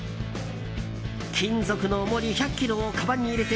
金属のおもり１００ｋｇをかばんに入れて